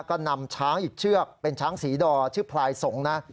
ก็นำช้างอีกเชือกเป็นช้างศรีดอชื่อพลายสงฆ์นะ